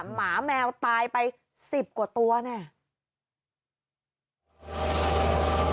หมาแมวตายไป๑๐กว่าตัวเนี่ย